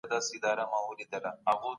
دولت مصارف په تولیدي چارو کي کوي.